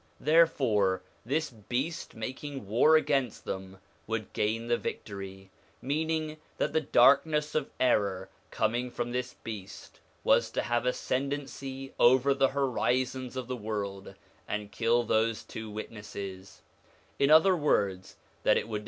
Therefore this beast making war against them would gain the victory meaning that the dark ness of error coming from this beast was to have ascendency over the horizons of the world, and kill those two witnesses: in other words, that it would 1 Dynasty of the Umayyads.